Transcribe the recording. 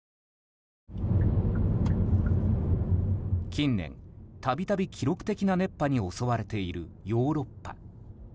近年、度々記録的な熱波に襲われているヨーロッパ。